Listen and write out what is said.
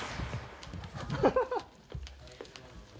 ハハハハ。